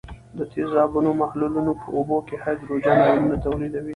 د تیزابونو محلولونه په اوبو کې هایدروجن آیونونه تولیدوي.